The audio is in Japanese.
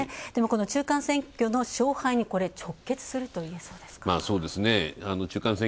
でも、この中間選挙の勝敗に直結するといえそうですか？